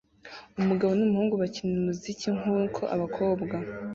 Umugabo numuhungu bakina umuziki nkuko abakobwa